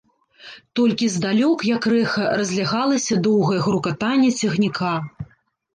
Толькі здалёк, як рэха, разлягалася доўгае грукатанне цягніка.